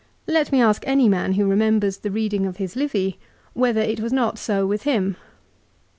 Let me ask any man who re members the reading of his Livy whether it was not so with him.